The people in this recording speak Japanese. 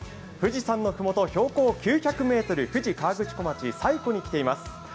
富士山のふもと標高９００ｍ富士河口湖町西湖に来ています。